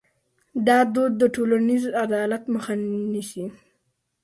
دا دود د ټولنیز عدالت مخه نیسي.